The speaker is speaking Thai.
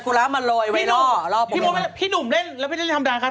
สัคกุระมันรอไว้รอรอโปรแมนมันพี่หนุ่มเล่นแล้วไม่ใช่ธรรมดาวน์ค่ะ